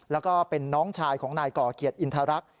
แล้วก็เป็นน้องชายของนายก่อเกียรติอินทรรักษ